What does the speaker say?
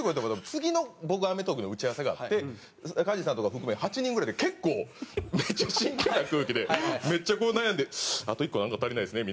次の僕『アメトーーク』の打ち合わせがあって加地さんとか含め８人ぐらいで結構めっちゃ真剣な空気でめっちゃこう悩んで「あと１個なんか足りないですね」